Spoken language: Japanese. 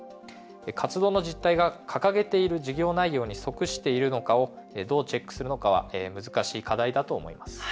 活動の実態が掲げている事業内容に即しているのかをどうチェックするのかは難しい課題だと思います。